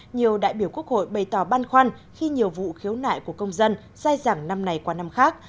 nhiều đại biểu quốc hội bày tỏ băn khoăn khi nhiều vụ khiếu nại của công dân sai giảm năm này qua năm khác